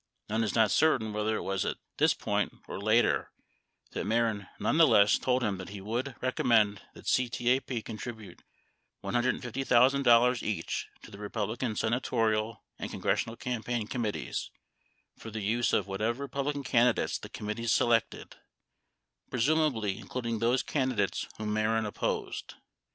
Nunn is not certain whether it was at this point or later that Mehren, nonetheless, told him that he would rec ommend that CTAPE contribute $150,000 each to the Republican senatorial and congressional campaign committees — for the use of whatever Republican candidates the committees selected, presumably including those candidates whom Mehren opposed.